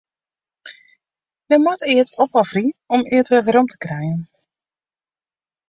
Men moat eat opofferje om eat werom te krijen.